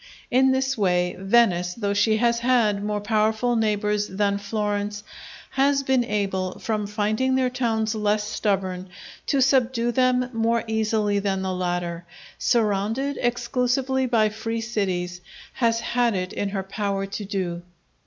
In this way Venice, though she has had more powerful neighbours than Florence, has been able, from finding their towns less stubborn, to subdue them more easily than the latter, surrounded exclusively by free cities, has had it in her power to do.